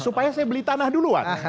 supaya saya beli tanah duluan